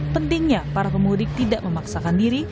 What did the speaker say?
pentingnya para pemudik tidak memaksakan diri